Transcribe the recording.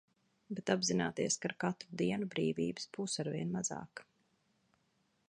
Bet apzināties, ka ar katru dienu brīvības būs arvien mazāk.